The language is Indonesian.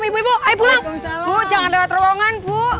bu jangan lewat ruangan bu